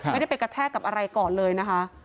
ไม่ได้ไปกระแทกกับอะไรก่อนเลยนะคะ